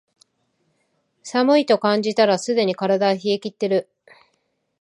寒いと感じたらすでに体は冷えきってる